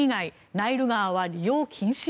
ナイル川は利用禁止？